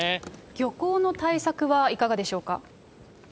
漁港の対策はいかがでしょうか。